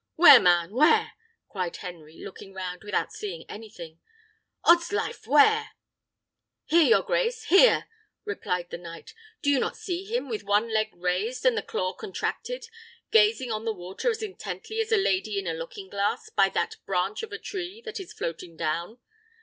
"Where, man? where?" cried Henry, looking round without seeing anything. "'Odslife, where?" "Here, your grace! here!" replied the knight. "Do you not see him, with one leg raised and the claw contracted, gazing on the water as intently as a lady in a looking glass, by that branch of a tree that is floating down?"